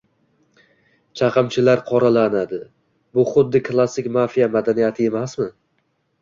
Chaqimchilar qoralanadi, bu xuddi klassik mafiya madaniyati emasmi?